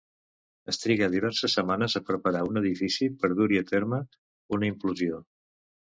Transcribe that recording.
Es triga diverses setmanes a preparar un edifici per dur-hi a terme una implosió.